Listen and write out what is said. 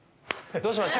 どうしました？